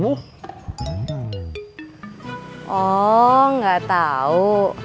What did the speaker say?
oh gak tau